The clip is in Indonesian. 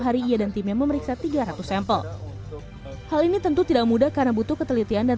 hari ia dan timnya memeriksa tiga ratus sampel hal ini tentu tidak mudah karena butuh ketelitian dan